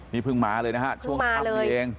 นี่เพิ่งมาเลยนะคะเพิ่งมาเลย